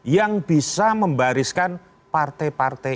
yang bisa membariskan partai partai